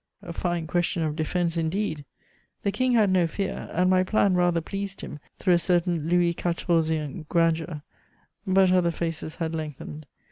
A fine question of defense, indeed! The King had no fear, and my plan rather pleased him through a certain "Louis Quatorzian" grandeur; but other faces had lengthened.